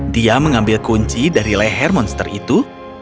dia mengambil kunci dari leher monster itu